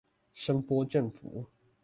聲波振幅